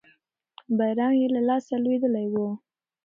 بیرغ یې له لاسه لوېدلی وو.